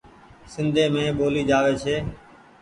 سندي مين ٻولي جآوي ڇي ۔